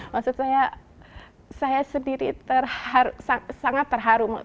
maksud saya saya sendiri sangat terharu